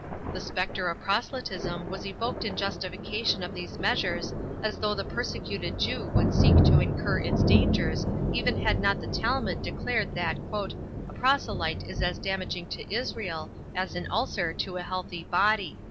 The spectre of proselytism was evoked in justification of these measures as though the persecuted Jew would seek to incur its dangers even had not the Talmud declared that "a proselyte is as damaging to Israel as an ulcer to a healthy body."